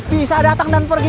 bisa dateng dan pergi